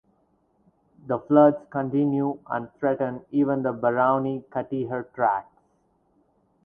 The floods continue and threaten even the Barauni–Katihar tracks.